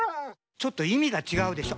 ちょっといみがちがうでしょ。